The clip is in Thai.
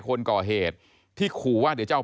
คนก่อเหตุที่ขู่ว่าเดี๋ยวจะเอา